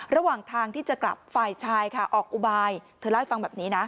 ระหว่างทางที่จะกลับฝ่ายชายค่ะออกอุบายเธอเล่าให้ฟังแบบนี้นะ